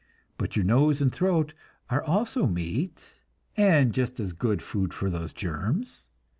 But your nose and throat are also meat, and just as good food for the germs.